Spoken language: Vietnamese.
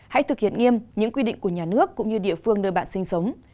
hãy thực hiện nghiêm những quy định của nhà nước cũng như địa phương nơi bạn sinh sống